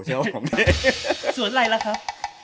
สวนอะไรล่ะครับ